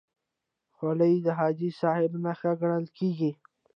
خولۍ د حاجي صاحب نښه ګڼل کېږي.